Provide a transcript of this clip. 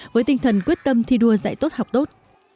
với tinh thần quyết tâm thi đua dạy tốt học tốt